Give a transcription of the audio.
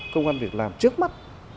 công an việc làm trước mắt